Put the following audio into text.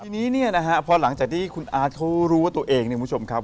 ทีนี้เนี่ยนะฮะพอหลังจากที่คุณอาร์ตเขารู้ว่าตัวเองเนี่ยคุณผู้ชมครับ